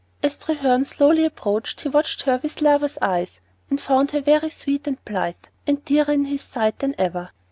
As Treherne slowly approached, he watched her with lover's eyes, and found her very sweet and blithe, and dearer in his sight than ever.